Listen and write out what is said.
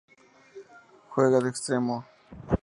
Juega de extremo.